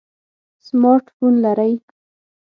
سمارټ فون لرئ؟